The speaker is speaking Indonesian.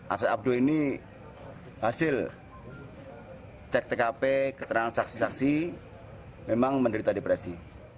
aset abduh ini hasil cek tkp ketransaksi taksi memang menderita depresi